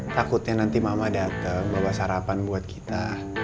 takutnya nanti mama datang bawa sarapan buat kita